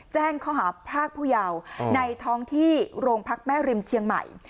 แจ้งข้อหาพรากผู้เยาว์ในท้องที่โรงพักแม่ริมเชียงใหม่